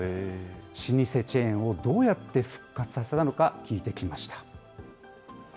老舗チェーンをどうやって復活させたのか聞いてきました。